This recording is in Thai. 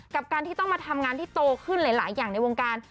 กับการที่ต้องมาทำงานที่โตขึ้นหลายอย่างในวงการ